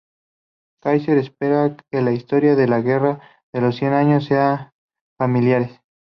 Kaiser espera que la historia de la Guerra de los Cien Años sean familiares.